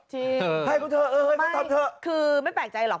จริงให้เขาเถอะเออให้เขาทำเถอะคือไม่แปลกใจหรอก